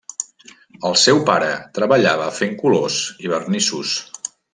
El seu pare treballava fent colors i vernissos.